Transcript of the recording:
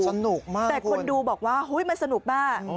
แต่คนดูบอกว่ามันสนุกมาก